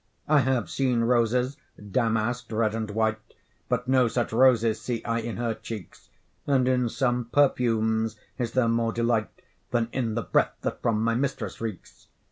I have seen roses damask'd, red and white, But no such roses see I in her cheeks; And in some perfumes is there more delight Than in the breath that from my mistress reeks.